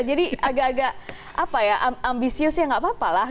jadi agak agak ambisius ya gak apa apa lah